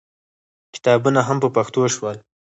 کتابونه هم په پښتو شول.